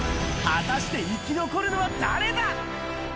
果たして生き残るのは誰だ？